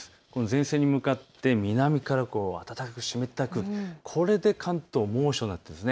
前線に向かって南から暖かく湿った空気、これで関東、猛暑なんです。